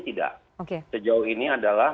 tidak sejauh ini adalah